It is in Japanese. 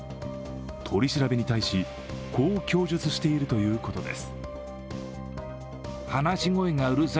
取り調べに対し、こう供述しているということです。